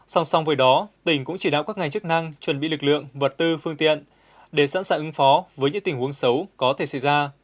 song song với đó tỉnh cũng chỉ đạo các ngành chức năng chuẩn bị lực lượng vật tư phương tiện để sẵn sàng ứng phó với những tình huống xấu có thể xảy ra